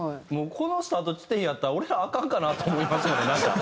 このスタート地点やったら俺らアカンかなと思いますよねなんか。